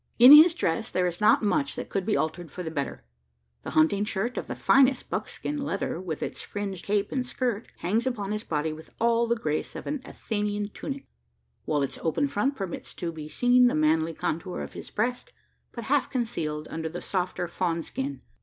In his dress, there is not much that could be altered for the better. The hunting shirt of the finest buckskin leather with its fringed cape and skirt, hangs upon his body with all the grace of an Athenian tunic; while its open front permits to be seen the manly contour of his breast, but half concealed under the softer fawn skin.